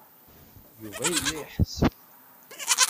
Yuba yella iḥesseb.